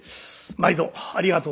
「毎度ありがとう？